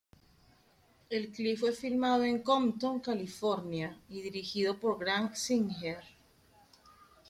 El clip fue filmado en Compton, California y dirigido por Grant Singer.